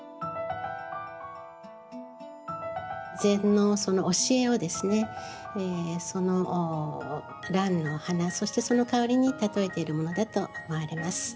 禅のその教えをですねその蘭の花そしてその香りに例えているものだと思われます。